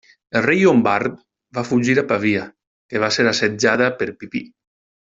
El rei llombard va fugir a Pavia, que va ser assetjada per Pipí.